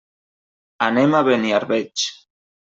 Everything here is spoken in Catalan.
Anem a Beniarbeig.